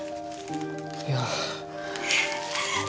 いや。